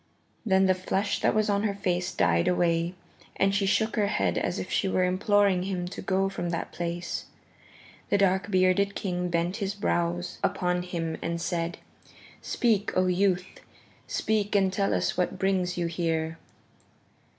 Then the flush that was on her face died away, and she shook her head as if she were imploring him to go from that place. The dark bearded king bent his brows upon him and said, "Speak, O youth, speak and tell us what brings you here."